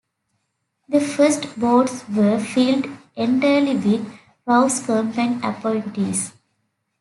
The first boards were filled entirely with Rouse Company appointees.